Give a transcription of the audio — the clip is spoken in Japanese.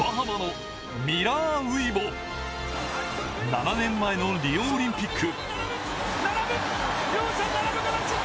７年前のリオオリンピック。